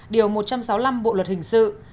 điều một trăm sáu mươi năm bộ luật hình sự